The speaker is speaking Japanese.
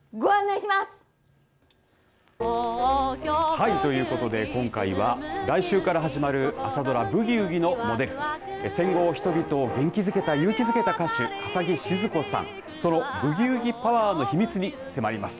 はい、ということで今回は来週から始まる朝ドラ、ブギウギのモデルで戦後、人々を元気づけた勇気づけた歌手笠置シヅ子さんそのブギウギパワーの秘密に迫ります。